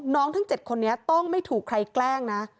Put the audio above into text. ทั้ง๗คนนี้ต้องไม่ถูกใครแกล้งนะ